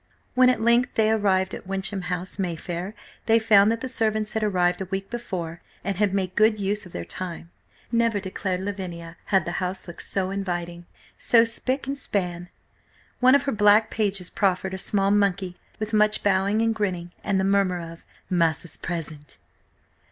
When at length they arrived at Wyncham House, Mayfair, they found that the servants had arrived a week before, and had made good use of their time. Never, declared Lavinia, had the house looked so inviting–so spick and span. One of her black pages proffered a small monkey with much bowing and grinning, and the murmur of: "Massa's present."